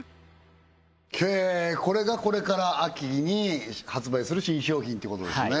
へえこれがこれから秋に発売する新商品ってことですね